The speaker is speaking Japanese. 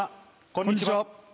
こんにちは。